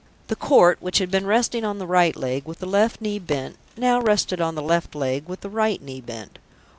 The Court, which had been resting on the right leg with the left knee bent, now rested on the left leg with the right knee bent.